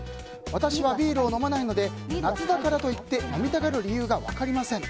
私はビールを飲まないので夏だからといって飲みたがる理由が分かりません。